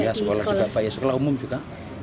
iya sekolah juga bayar sekolah umum juga